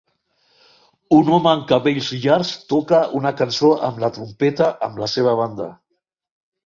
Un home amb cabells llargs toca una cançó amb la trompeta amb la seva banda.